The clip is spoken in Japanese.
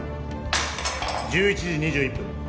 １１時２１分